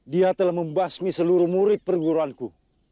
dia telah membasmi seluruh murid perguruan ku